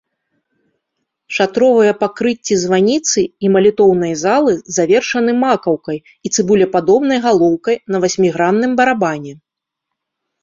Шатровыя пакрыцці званіцы і малітоўнай залы завершаны макаўкай і цыбулепадобнай галоўкай на васьмігранным барабане.